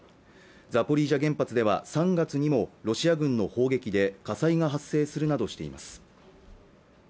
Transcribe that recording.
ザポリージャ原発では３月にもロシア軍の砲撃で火災が発生するなどしています